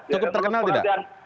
cukup terkenal tidak